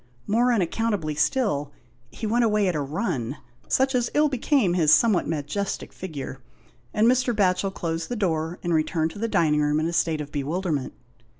More unaccountably still, he went away at a run, such as ill became his somewhat majestic figure, and Mr. Batchel closed the door and returned to the dining room in a state of bewilderment.